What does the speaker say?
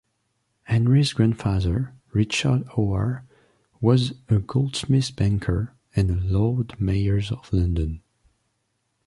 Henry's grandfather, Richard Hoare was a goldsmith-banker and Lord Mayor of London.